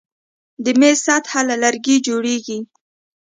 د میز سطحه له لرګي جوړیږي.